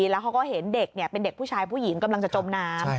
แล้วเขาก็เห็นเด็กเป็นเด็กผู้ชายผู้หญิงกำลังจะจมน้ำ